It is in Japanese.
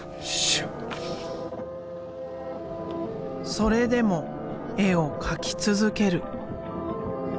それでも絵を描き続ける。